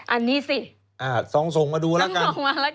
อันนี้สิลองส่งมาดูแล้วกัน